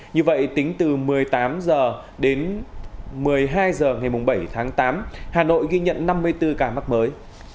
như vậy tính từ một mươi tám h đến một mươi hai h ngày bảy tháng tám hà nội ghi nhận năm mươi bốn ca mắc mới